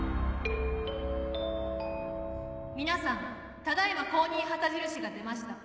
皆さんただ今公認旗印が出ました。